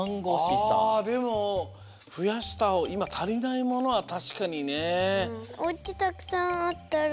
あでもふやしたほうがいまたりないものはたしかにね。